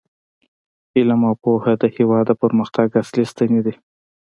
علم او پوهه د هیواد د پرمختګ اصلي ستنې دي.